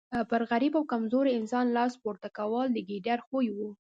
پر غریب او کمزوري انسان لاس پورته کول د ګیدړ خوی وو.